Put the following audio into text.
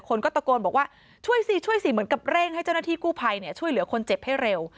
คนก็ตะโกนบอกว่าช่วยสิช่วยสิเหมือนกับเร่งให้เจ้าหน้าที่กู้ภัยช่วยเหลือคนเจ็บให้เร็ว